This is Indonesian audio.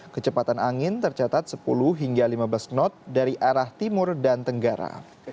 kecepatan angin tercatat sepuluh hingga lima belas knot dari arah timur dan tenggara